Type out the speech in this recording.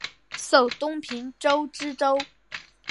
授东平州知州。